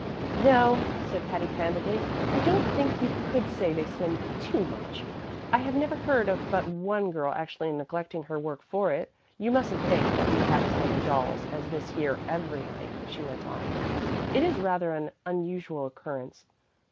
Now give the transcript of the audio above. "No," said Patty, candidly; "I don't think you could say they spend too much. I have never heard of but one girl actually neglecting her work for it. You mustn't think that we have as many dolls as this here every night," she went on. "It is rather an unusual occurrence.